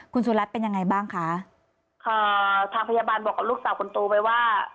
คุณสุรัตน์เป็นยังไงบ้างคะอ่าทางพยาบาลบอกกับลูกสาวคนโตไปว่า